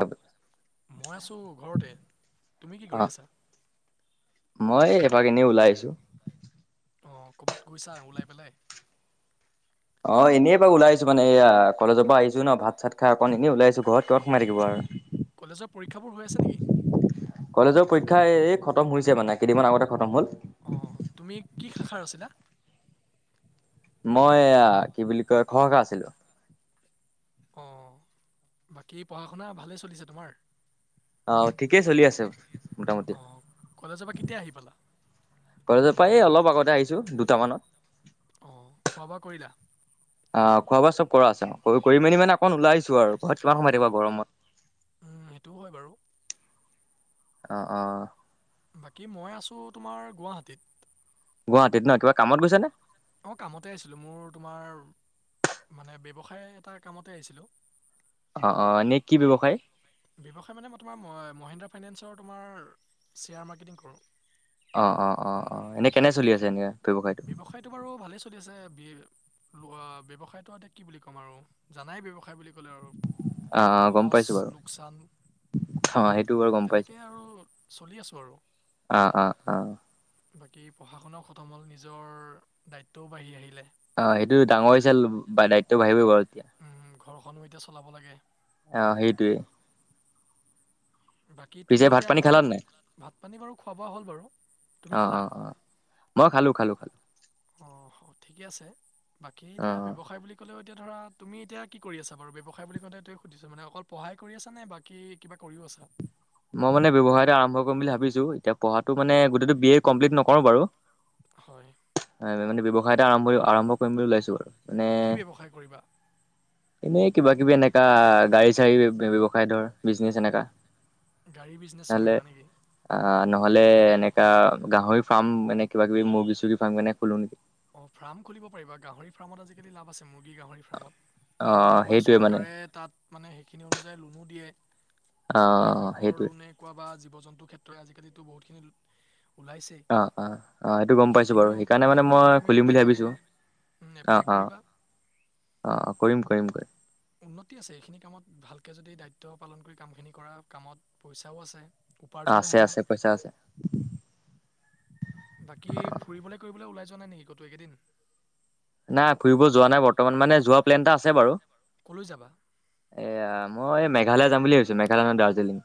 অ মই আছো ঘৰতে তুমি কি কৰি আছা? মই এবাৰ এনেই ওলাই আহিছোঁ অ ক'ৰবাত গৈছা ওলাই পেলাই অ এনেই বাৰ ওলাই আছো মানে এয়া কলেজৰ পৰা আহিছো ন ভাত চাত খাই অকণ এনেই ওলাই আছো ঘৰত কিমান সোমাই থাকিব আৰু অঁ কলেজৰ পৰীক্ষাবোৰ হৈ আছে নেকি? কলেজৰ পৰীক্ষা এই খতম হৈছে মানে কেইদিনমান আগতে খতম হল। অঁ তুমি কি শাখাৰ আছিলা? মই এ কি বুলি কয় খৰ খা আছিলো। অঁ বাকী পঢ়া শুনা ভালেই চলিছে তোমাৰ? অ ঠিকেই চলি আছে। মোটামুটি অ কলেজৰ পৰা কেতিয়া আহি পালা? কজৰ পৰা এই অলপ আগতে আহিছো দুটামানত। অঁ খোৱা বোৱা কৰিলা? অ খোৱা বোৱা চব কৰা আছে অ কৰি মেলি মানে অকণ ওলাইিছো আৰু ঘৰত কিমান সময় থাকিব গৰমত। সেইটোও হয় বাৰু। অ অ। বাকী মই আছোঁ তোমাৰ গুৱাহাটীত। গুৱাহাটত নহ কিবা কামত গৈছেনে? অঁ কামতে আহিছিলোঁ মোৰ তোমাৰ মানে ব্যৱসায় এটা কামতে আহিছিলোঁ। অ', অ, নে কি অঁ ব্যৱসায়? ব্যৱসায় মানে মই তোমাৰ মহিন্দ্ৰা ফাইনেন্সৰ তোমাৰ শ্বেয়াৰ মাৰ্কেটিং কৰো। অ', অ, অ, অ, এনেই কেনে চলি আছে। এনে ব্যৱসায়টো টো বাৰু ভালে চলি আছে। বি ব্যৱসায়তো এতে কি বুলি ক'ম আৰু জানাই ব্যয়ৱসায় বুলি ক'লে আৰু অ অ গম লছ পাইছো বাৰু লোকচান অ সেইটো বাৰু গম পাইছো তেনেকেই আৰু চলি আছো আৰু অ', অ, অ। বাকী প্ৰশাসন খতম হ'ল নিজৰ দায়িত্বও বাঢ়ি আহিলে। অ', সেইটো ডাঙৰ হৈ হৈছে। দায়িত্ব বাঢ়িবই বাৰু এতিয়া ঘৰখনো এতিয়া চলাব লাগে। অ', সেইটয়ে। বাকী তুমি পিছে ভাত এতিয়া পানী খালা অকল নাই ভাত পানী বাৰু খোৱা বোৱা হ'ল বাৰু। অ তুমি অ খালা? অ মই খালো, খালো, খালো। অ', ঠিকে আছে। বাকী অ এতিয়া ব্যৱসায় বুলি ক'লেও এতিয়া ধৰা তুমি এতিয়া কি কৰি আছা বাৰু? ব্যৱসায় বুলি কওঁ তোৱ সুধিছো মানে অকল পঢ়ায় কৰি আছ নে বাকী কিবা কৰিও আছা। মই মানে ব্যৱসায় এটা আৰম্ভ কৰিম বুলি ভাবিছোঁ। এতিয়া পঢ়াটো মানে গোটেইটো বি এ কমপ্লিট নকৰোঁ বাৰু। হয়। [unintelligible] মানে ব্যৱসায় এটা আৰাম্ভণি আৰাম্ভ কৰিম বুলি ওলাইছো। নে কি ব্যৱসায় কৰিবা এনেই কিবা কিবি এনেকা গাড়ী চাড়ী ব্যৱ ব্যৱসায় ধৰ বিজনেচ এনেকা গাড়ী বিজ ভালে অ', নহ'লে এনেকা গাহৰি ফাৰ্ম মানে কিবা কিবি মুৰ্গী চুৰ্গী ফাৰ্ম কেনে খোলোঁ নেকি? অ', ফাৰ্ম খুলিব পাৰিবা। গাহৰি ফাৰ্মত আজিকালি লাভ আছে। মুৰ্গী, গাহৰি ফাৰ্মত। অ আৰু আমাৰ সেইটোৱে মানে চৰকাৰে তাত মানে সেইখিনি অনুযায়ী লোনো দিয়ে। অ কৃষকৰ সেইটো লোনে কোৱা বা জীৱ জন্তুৰ ক্ষেত্ৰত আজিকালিতো বহুতখিনি লো ওলাইছেই। অ অ অ সেইটো গম পাইছো বাৰু সেইখিনিও সেইকাৰণে মানে সেইখিনিও মই তুমি খুলিম বুলি এপ্লাই ভাবিছো কৰিবা। উম, অ এপ্লাই অ কৰিবা। অ অ কৰিম কৰিম কৰিম উন্নতি আছে। এইখিনি কামত ভালকে যদি দায়িত্ব পালন কৰি কামখিনি কৰা কামত পইচাও আছে। উপাৰ্জনো আছে হ'ব। আছে পইচা আছে বাকী ফুৰিবলে কৰিবলে ওলাই যোৱা নাই নেকি কতো এইকেইদিন? নাই ফুৰিব যোৱা নাই বৰ্তমান মানে যোৱা প্লেনটা আছে বাৰু। কলৈ যাবা এয়া মই এই মেঘালয় যাম বুলি ভাবিছোঁ মেঘালয় নহয় দাৰ্জিলিং।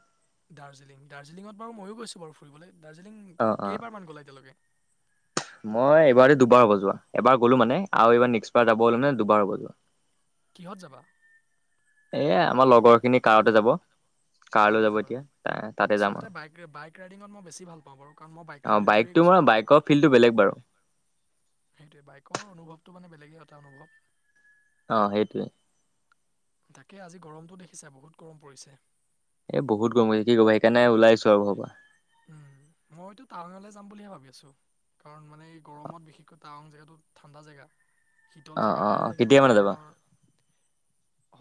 দাৰ্জিলিং দাৰ্জিলিঙত বাৰু ময়ো গৈছোঁ বাৰু ফুৰিবলে। দাৰ্জিলিং অ অ কেইবাৰমান গলা এতিয়ালৈকে? মই এইবাৰৰ সতি দুবাৰ হ'ব যোৱা। এবাৰ গ'লো মানে আৰু এইবাৰ নেক্সট বাৰ যাব হ'লে মানে দুবাৰ হ'ব যোৱা। কিহত যাবা? এ, আমাৰ লগৰ খিনি কাৰতে যাব। কাৰ লৈ যাবা। তাতে যাম আৰু আচলতে বাইক ৰাই বাইক ৰাইডিঙত মই বেছি ভাল পাওঁ বাৰু, কাৰণ মই বাইক অ ৰাইডিং বাইকটো কৰিয়ে মই গৈছোঁ তালৈকে। বাইকৰ ফিল্ডটো বেলেগ বাৰু সেইটোৱে বাইকৰ অনুভৱটো মানে বেলেগে এটা অনুভৱ। অ', সেইটোৱে। তাকে আজি গৰমটো দেখিছা বহুত গৰম পৰিছে। এ, বহুত গৰম অ'এ কি কৰিবা সেইকাৰণে ওলাই আহিছোঁ আৰু ঘৰৰ পৰা। উম, মইতো টাৱাঙলে যাম বুলিহে ভাবি আছোঁ। কাৰণ মানে এই গৰমত বিশেষকৈ টাৱাং জেগাটো ঠাণ্ডা জেগা শীতল অ জেগা অ অ ভাল লাগিব। কেতিয়া মানে যাবা ঠাৱাঙৰ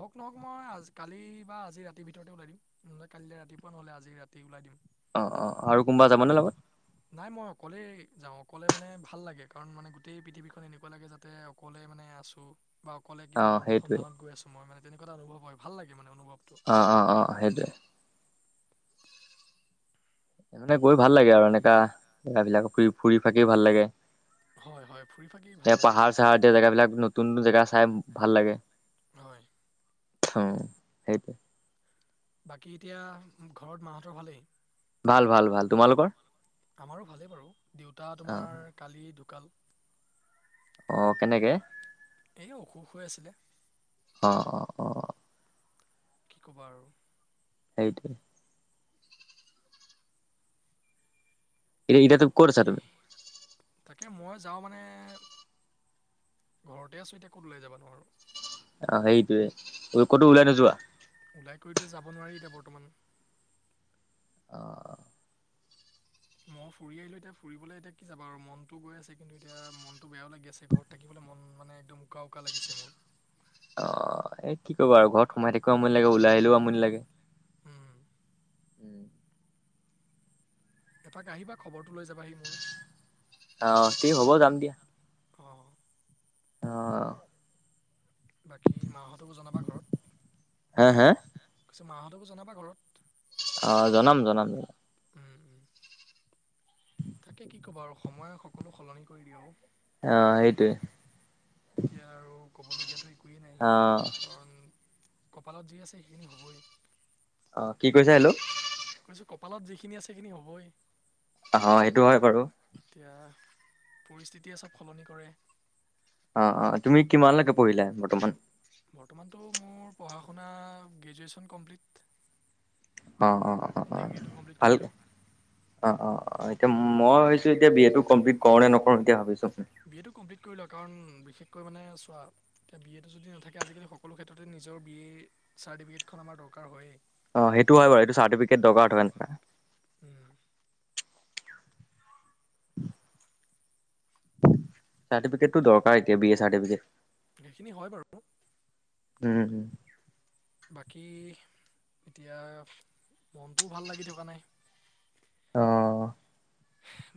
হওঁক নহওঁক মই আজ কালি বা আজি ৰাতিৰ ভিতৰতে ওলাই দিম। নহ'লে কাইলে ৰাতিপুৱা নহ'লে আজি ৰাতি ওলাই দিম। অ', অ', আৰু কোনবা যাব নে লগত? নাই মই অকলেই যাওঁ, অকলে মানে ভাল লাগে কাৰণ মানে গোট গোটেই পৃথিৱীখন এনেকুৱা লাগে যাতে অকলে মানে আছোঁ বা অকলে অ কিবা এটা সেইটোৱে অনুসন্ধানত গৈ আছোঁ মই মানে তেনেকুৱা এটা অনুভৱ হয় ভাল লাগে মানে অনুভৱটো। অ' অ' অ', সেটোৱে। [unintelligible] গৈ ভাল লাগে আৰু এনেকা জেগাবিলাক ফুৰি ফুৰি ফাঁকি ভাল লাগে। হয় হয় ফুৰি ফাকি ভাল [unintelligible] লাগে পাহাৰ চাহাৰ এতিয়া জেগাবিলাক নতুন নতুন জেগা চাই ভাল লাগে। হয়। অ', সেইটোৱে। বাকী এতিয়া ঘৰত মাহঁতৰ ভালেই? ভাল ভাল ভাল। তোমালোকৰ? আমাৰোঁ ভালেই বাৰু। দেউতা অ তোমাৰ কালি ঢুকাল। অ', কেনেকে? এই অসুখ হৈ আছিলে। অ', অ'। কি ক'বা আৰু। সেইটোৱে। এ, এতিয়াতো। ক'ত আছা বাকী। তুমি তাকে মই যাওঁ মানে ঘৰতে আছোঁ এতিয়া ক'ত ওলাই যাবা নো আৰু। অ', সেইটয়ে ক'তো ওলাই। নোযোৱা ওলাই কৰিটো যাব নোৱাৰি এতিয়া বৰ্তমান। অ'। মই ফুৰি আহিলোঁ এতিয়া ফুৰিবলৈ এতিয়া কি যাবা আৰু মনতটো গৈ আছে, কিন্তু এতিয়া মনটো বেয়াও লাগি আছে ঘৰত। থাকিবলৈ মন মানে একদম উকা, উকা লাগিছে মোৰ। অ', এই কি কৰিবা আৰু ঘৰত সোমাই থাকিবও আমনি লাগে ওলাই আহিলেও আমনি লাগে। উম উম। এপাক আহিবা খবৰটো লৈ যাবাহি মোৰ। অ', থিক হ'ব যাম দিয়া। অ'। অ'। বাকী মাহঁতকো জনাবা ঘৰত, হা হা কৈছোঁ মাহঁতকো জনাবা ঘৰত। অ', জনাম, জনাম। উম, উম। তাকে কি ক'ব আৰু সময় সকলো সলনি কৰি দিয়ে অ'। অ', সেইটোৱে। এতিয়া আৰু ক'বলগীয়াতো একোৱেই নাই অ কাৰণ। কপালত যি আছে সেইখিনি হ'বই। অ', কি কৈছা হেল্ল'। কৈছোঁ কপালত যিখিনি আছে সেইখিনি হ'বই। অ', সেইটো হয় বাৰু। এতিয়া পৰিস্থিতিয়ে চব সলনি কৰে। অ', অ'তুমি কিমানলৈকে পঢ়িলা বৰ্তমান। বৰ্তমানটো মোৰ পঢ়া শুনা গ্ৰেজুৱেশ্যন কমপ্লিট। অ', অ'। অ ডিগ্ৰীটো কমপ্লিট ভাল কৰিলোঁ। অ', অ', অ'এতিয়া মই ভাবিছোঁ এতিয়া বি এ টো কমপ্লিট কৰো নে নকৰোঁ এতিয়া ভাবিছোঁ। বি এটো কমপ্লিট কৰি লোৱা কাৰণ বিশেষকৈ মানে চোৱা। এতিয়া বি এটো যদি নাথাকে আজিকালি সকলো ক্ষেত্ৰতে নিজৰ বি এ চাৰ্টিফিকেটখন আমাৰ দৰকাৰ হয়েই। অ', সেইটো হয় বাৰু এইটো চাৰটফিকট দৰকাৰ হয়। উম। [inaudible] চাৰ্টিফিকেটটো দৰকাৰ এতিয়া বি এ চাৰ্টিফিকেট। সেইখিনি হয় বাৰু। উম। বাকী এতিয়া মনটোও ভাল লাগি থকা নাই। অ'।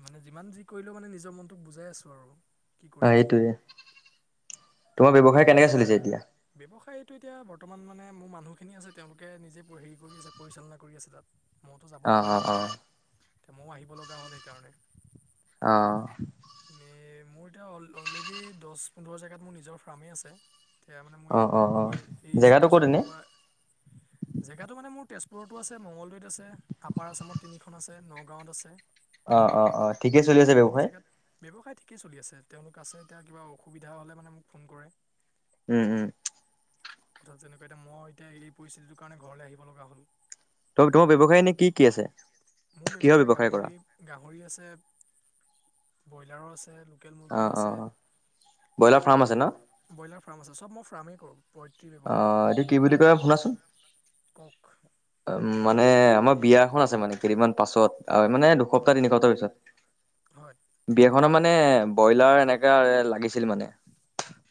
মানে যিমান যি কৰিলেও মানে নিজৰ মনটোক বুজাই আছোঁ আৰু। কি অ', কৰিম এইটোৱেই তোমাৰ কাৰণ ব্যৱসায় মানে কেনেকে নিজৰ চলিছে এতিয়া? ব্যৱসায়টো এতিয়া বৰ্তমান মানে মোৰ মানুহখিনি আছে, তেওঁলোকে নিজে হেৰি কৰি আছে পৰিচালনা কৰি আছে তাত। মইতো যাব অ অ পৰাই অ নাই এতিয়া ময়ো আহিব লগা হ'ল সেইকাৰণে। অ'। এনে মোৰ এতিয়া অলৰেডি দহ পোন্ধৰ জেগাত মোৰ নিজৰ ফাৰ্মেই আছে। তে মানে মোৰ অ এই অ অ পৰি এই জেগাটো ক'ত এনে চিটুৱেশ্যনটো বা। জেগাটো মানে মোৰ তেজপুৰতো আছে, মঙগলদৈত আছে। আপাৰ আছামত তিনিখন আছে নগাঁৱত আছে। অ', অ', অ' ঠিকে চলি আছে ভালেখিনি ব্যৱসায়? জেগাত ব্যৱসায় ঠিকেই চলি আছে। তেওঁলোক আছে, এতিয়া কিবা অসুবিধা হ'লে মানে মোক ফোন কৰে। উম, উম। কথাটো তেনেকুৱা, এতিয়া মই এতিয়া এই পৰিস্থিতিটোৰ কাৰণে ঘৰলৈ আহিব লগা হ'ল। ত তোমাৰ ব্যৱসায় এনে কি কি আছে? মোৰ কিহৰ ব্যৱসায় গাহৰি কৰা? গাহৰি আছে, ব্ৰইলাৰো আছে। লু অ', অ', অ'। ব্ৰইলাৰ ফাৰ্ম আছে ন'? ব্ৰইলাৰ ফাৰ্ম আছে, চব মই ফ্ৰামেই কৰোঁ। পয়ত্ৰী ব্যৱসায় অ' এইটো কি বুলি কয় শুনাচোন, কক উম। মানে আমাৰ বিয়া খন আছে মানে কেইদিনমান পাছত, আ-মানে দুসপ্তাহ হয় তিনি সপ্তাহ পাছত। সপ্তাহ পিছত হয় বিয়াখনৰ মানে ব্ৰইলাৰ এনেকা-এ লাগিছিল মানে।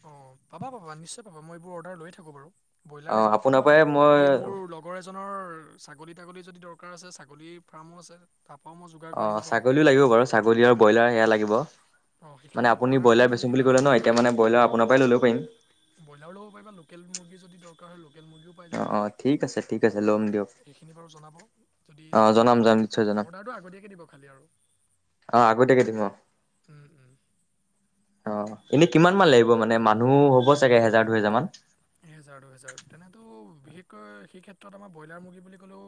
অ' পাবা, পাবা, নিশ্চয় পাবা। মই এইবোৰ অৰ্ডাৰ লৈ থাকো বাৰু। ব্ৰইলাৰ অ লাগিলেও আপোনাৰ ক'বা, পৰাই মই বাকী মোৰ লগ আগৰ এজনৰ ছাগলী-তাগলী যদি দৰকাৰ আছে, ছাগলীৰ ফাৰ্মো আছে। তাপাও মই যোগা অ' ছাগলীও লাগিব বাৰু, ছাগলী আৰু ব্ৰইলাৰ সেয়া লাগিব। অঁ মানে সেইখিনি মোক আপুনি অৰ্ডাৰ বইলাৰ তুমি দি বেচিম দিবা বুলি ক'লে ন', এতিয়া কেলকুলেট মানে বইলাৰ অঁ আপোনাৰ পৰাই ল'ব পাৰিম। ব্ৰইলাৰো ল'ব পাৰিবা, লোকেল মুৰ্গী যদি দৰকাৰ হয় লোকেল মুৰ্গীও পাই অ যাবা। অ ঠিক আছে ঠিক আছে ল'ম দিয়ক এইখিনি বাৰু জনাব, যদি অ দৰকাৰ জনাম জনাম হয়। নিশ্চয় জনাম অৰ্ডাৰটো আগতীয়াকে দিব খালী আৰু। অ', আগতিয়াকে দিম অ'। উম, উম। অ'। এনেই কিমান মান লাগিব? মানে মানুহ হ'ব চাগে এহেজাৰ দুহেজাৰ মান। এহেজাৰ দুহেজাৰ, তেনেতো বিশেষকৈ সেই ক্ষেত্ৰত আমাৰ ব্ৰইলাৰ মুৰ্গী বুলি ক'লেও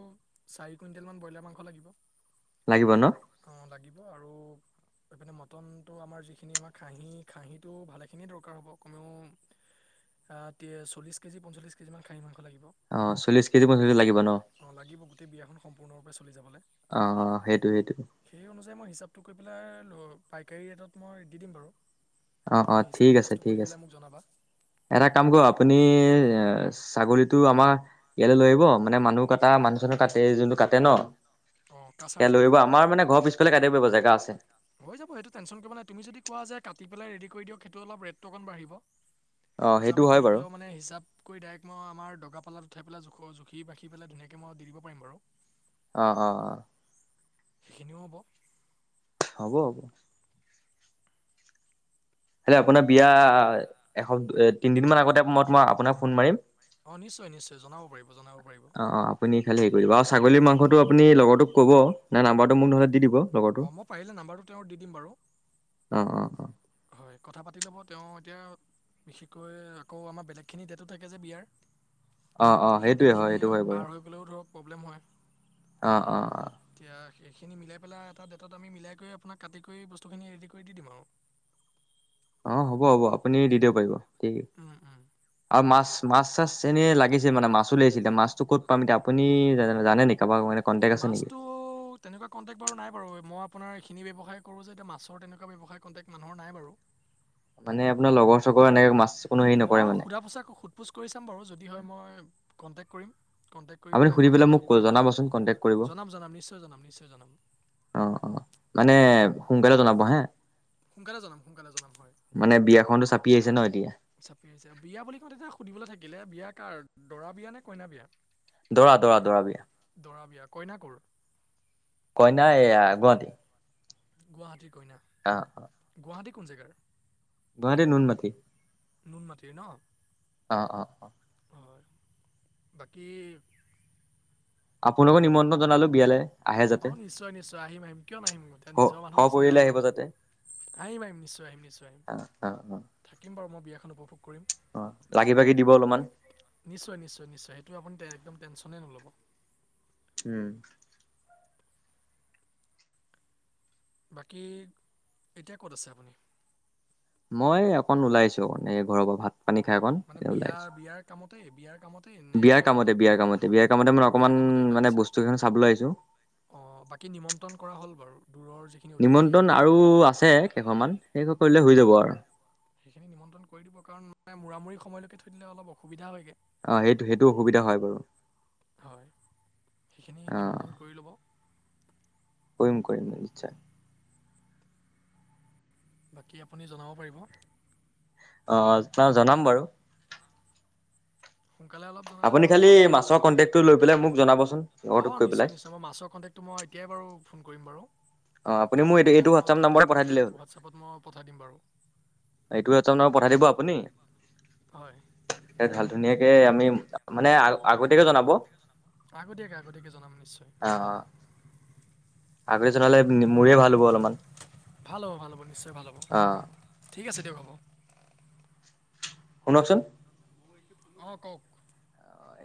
চাৰি কুইণ্টেল মান ব্ৰইলাৰ মাংস লাগিব। লাগিব ন'? অ' লাগিব আৰু এইপিনে মটনটো আমাৰ যিখিনি আমাৰ খাঁহী খাঁহীটো ভালে খিনিয়ে দৰকাৰ হ'ব, কমেও আ, তিয়ে চল্লিছ কেজি, পঞ্চল্লিছ কেজিমান খাঁহী মাংস লাগিব। অ', চল্লিছ কেজি পঞ্চলিছ লাগিব ন'? অ', লাগিব গোটেই বিয়াখন সম্পূৰ্ণৰূপে চলি যাবলে। অ', সেইটো সেইটো। সেই অনুযায়ী মই হিচাপটো কৰি পেলাই, ল-পাইকাৰী ৰেটত মই দি দিম বাৰু। অ', তুমি অ', হিচাপ ঠিক আছে, নিকাচটো ঠিক কৰি আছে। পেলাই মোক জনাবা এটা কাম কৰিব আপুনি, হয় ছাগলীত টো আমাৰ ইয়ালৈ লৈ আহিব, মানে মানুহ কাটা, মানুহ চানুহ কাটে, যোনটো কাটে ন' অঁ এ লৈ কাছাৰজন আহিব। আমাৰ মানে ঘৰ পিছফালে কাটিব পাৰিব। জেগা আছে। হৈ যাব, সেইটো টেঞ্চন কৰিব নাই। তুমি যদি কোৱা যে কাটি পেলাই ৰেডি কৰি দিয়ক, সেইটো অলপ ৰেটটো অকণ বাঢ়িব। অ', সেইটো আমি হয় কৰি বাৰু পেলাও মানে হিচাপ কৰি ডাইৰেক্ট মই আমাৰ দগা পাল্লাত উঠাই পেলাই জোখ-জোখি মাখি পেলাই ধুনীয়াকৈ মই দি দিব পাৰিম বাৰু। অ' অ' অ'। সেইখিনিও হ'ব। হ'ব হ'ব। নহ'লে আপোনাৰ বিয়া, এখন-তিনদিন মান আগত অ', নিশ্চয় নিশ্চয়। জনাব পাৰিব, জনাব পাৰিব। অ', অ', আপুনি খালী হেৰি কৰিব, আৰু ছাগলীৰ মাংসটো আপুনি লগৰটোক ক'ব। নাইবা নাম্বাৰটো মোক নহ'লে দি দিব। লগৰটোৰ। অ', মই পাৰিলে নাম্বাৰটো তেওঁৰ দি দিম বাৰু। অ', অ', অ', হয়। কথা পাতি ল'ব তেওঁ এতিয়া বিশেষকৈ আকৌ আমাৰ বেলেগখিনি ডেটো থাকে যে বিয়াৰ। অ', অ', এতিয়া সেই সেইটোৱে হয় ডেটখিনি সেইটো হয় বাৰু পাৰ হৈ গ'লেও ধৰক প্ৰব্লেম হয়। অ' অ' অ'। এতিয়া সেইখিনি মিলাই পেলাই এটা ডেটত আমি মিলাই কৰি, আপোনাক কাটি কৰি, বস্তুখিনি ৰেডি কৰি দি দিম আৰু। অ', হ'ব হ'ব। আপুনি দি দিব পাৰিব। ঠিক আ আ আৰু মাছ মাছ চাছ এনে লাগিছিল মানে। মাছো লাগিছিল। মাছটো ক'ত? মাছ এতিয়া আপুনি জানে নেকি? কাৰোবাৰ মানে কণ্টেক্ট আছে নেকি? মাছটো তেনেকুৱা কণ্টেকট নাই বাৰু। মই আপোনাৰ এইখিনি ব্যৱসায় কৰো যে মাছৰ তেনেকুৱা ব্যৱসায় কণ্টেক মানুহৰ নাই বাৰু। মানে আপোনাৰ লগৰ চগৰ এনেক মই সোধা পোছা সোধ পোছ কৰি চাম বাৰু যদি হয় মই কন্টেক কৰিম। কণ্টেক্ট কৰি আপুনি পেলাই সুধি মই যোগাযোগ মোক কৰি জনাবচোন পেলাই, কণ্টেক্ট কৰিব জনাম জনাম, নিশ্চয় জনাম নিশ্চয় জনাম। অ' অ' মানে সোনকালে জনাব হা। সোনকালে জনাম সোনকালে জনাম হয় মানে বিয়াখনতো চাপি আহিছে ন? এতিয়া চাপি আহিছে। বিয়া বুলি কওঁতে তেতিয়া সুধিবলৈ থাকিলে। বিয়া কাৰ, দৰা বিয়া নে কইনা বিয়া? দৰা দৰা দৰা বিয়া দৰা বিয়া। কইনা ক'ৰ? কইনা এইয়া গুৱাহাটি। গুৱাহাটীৰ কইনা। অ' অ'। গুৱাহাটীৰ কোন জেগাৰ। গুৱাহাটী, নুনমাতি। নুনমাটিৰ ন? অ' অ'। হয়। বাকী আপোনাকো নিমন্ত্ৰণ জনালো বিয়ালৈ। আহে যাতে অ' নিশ্চয় নিশ্চয়। আহিম আহিম, কিয় নাহিম? এতিয়া স নিজৰ মানুহ নিচিনা সপৰিয়ালে আৰু। আহিব যাতে আহিম আহিম। নিশ্চয় আহিম নিশ্চয় আহিম। অ অ অ থাকিম বাৰু মই বিয়াখন উপভোগ কৰিম। অ' লাগি ভাগি দিব অলপমান। নিশ্চয়, নিশ্চয়, নিশ্চয়। সেইটো আপুনি একদম টেনচনেই নল'ব। উম। বাকী এতিয়া ক'ত আছে আপুনি? মই অকন ওলাইছো মানে, ঘৰৰ পৰা ভাত পানী খাই অ' অকণ মানে এ ওলাই বিয়া আহিছো। বিয়াৰ কামতেই বিয়াৰ কামতেই নে বিয়াৰ কিবা কামতে বেলেগ বিয়াৰ কামত? কামতে বিয়াৰ কামতে মানে। বিয়াৰ অকণমান মানে বস্তু কেই খিনি চাবলৈ আহিছো। অ' বাকী নিমন্ত্ৰণ কৰা হ'ল বাৰু। দূৰৰ যি নিমন্ত্ৰণ আৰু আছে কেইঘৰমান। সেই ঘৰ কৰিলে হৈ যাব হয় আৰু। সেইখিনি নিমন্ত্ৰণ কৰি দিব কাৰণ, মানে মূৰামূৰি সময়লৈকে থৈ দিলে অলপ অসুবিধা হয়গৈ। অ সেইটো সেইটো অসুবিধা হয় বাৰু হয় সেইখিনি অ নিমন্ত্ৰণ কৰি ল'ব কৰিম কৰিম নিশ্চয় বাকী আপুনি জনাব পাৰিব অ ত জনাম বাৰু সোনকালে অলপ জনালে আপুনি ধৰক খালি আমাৰো ভাল হব মাছৰ বাৰু, কণ্টেক্টটো লৈ পেলাই মোক জনাবচোন অ লগৰটোক কৈ পেলাই নিশ্চয় নিশ্চয় মই মাছৰ কণ্টেক মই এতিয়াই ফোন কৰিম বাৰু অ আপুনি কথা মোক এইটো পাতি এইটো পেলাই মই হোৱাটছআপ থিক নাম্বাৰতে থাক কৰি পঠাই দিলেই হ'ল পেলাই তাপত মই পঠাই দিম বাৰু এইটো এজনক পঠাই দিব আপুনি হয় ভাল ধুনীয়াকে আমি মানে আগতীয়াকে জনাব অ আগতীয়াকৈ আগতীয়াকৈ জনাম নিশ্চয় অ আগতে জনালে মোৰেই ভাল হ'ব অলপমান ভাল হ' ভাল হ' নিশ্চয় ভাল হব অ ঠিক আছে দিয়ক হ'ব শুনকচোন অ কোক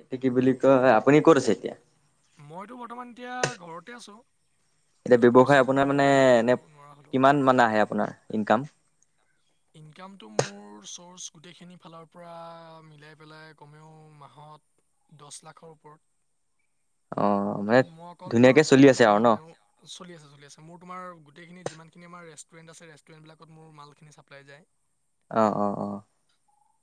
এতি কি বুলি কয় আপুনি ক'ত আছে এতিয়া মইতো বৰ্তমান এতিয়া ঘৰতে আছোঁ এতিয়া এই ব্যৱসায় পৰিস্থিতিটোৰ পৰা আপোনাৰ মই মানে ওলাই যাব এনেই নোৱাৰা হ'লোঁ। কিমান মানে আহে আপোনাৰ ইনকাম ইনকামটো মোৰ চ'ৰ্চ গোটেইখিনি ফালৰ পৰা মিলাই পেলাই কমেও মাহত দহ লাখৰ ওপৰত অ' মানে কাৰণ মই অকল তোমাৰ ধুনীয়াকে চলি অসমতে আছে আৰু নহয় ন? মানে চলি আছে চলিছে মোৰ তোমাৰোেইখিনিখিনি আম ৰেষ্টুৰেণ্টছে ৰেষ্টুৰেণ্টবিলাকত মালখিনি চাব পাই যায় অ অ অ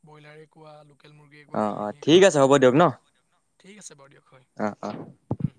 ব্ৰইলাৰে কোৱা লোকেল মুৰ্গীয়ে কোৱা অ' অ' ঘহীয়েে ঠিক কোৱা হ'ব ঠিক দিয়ক ন? আছে হ'ব দিয়ক ন ঠিক আছে বাৰু দিয়ক অ' অ'। হয়